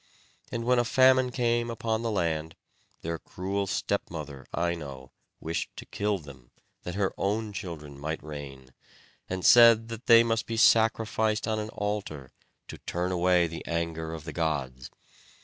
And when a famine came upon the land, their cruel stepmother, Ino, wished to kill them, that her own children might reign, and said that they must be sacrificed on an altar, to turn away the anger of the gods.